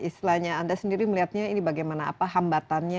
istilahnya anda sendiri melihatnya ini bagaimana apa hambatannya